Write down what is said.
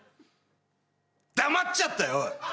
「黙っちゃったよおい！